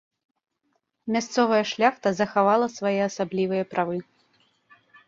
Мясцовая шляхта захавала свае асаблівыя правы.